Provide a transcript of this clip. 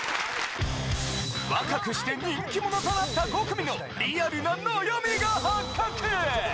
若くして人気者となった５組のリアルな悩みが発覚！